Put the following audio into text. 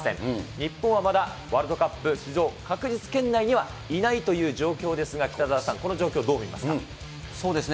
日本はまだ、ワールドカップ出場確実圏内にはいないという状況ですが、北澤さそうですね、